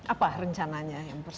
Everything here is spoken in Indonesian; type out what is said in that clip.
apa rencananya yang persis